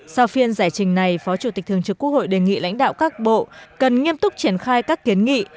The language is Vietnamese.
sau phiên giải trình này phó chủ tịch thường trực quốc hội đề nghị lãnh đạo các bộ cần nghiêm túc triển khai các kiến nghị